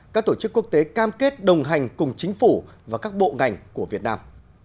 các tổ chức quốc tế cam kết đồng hành cùng chính phủ và các bộ ngành của việt nam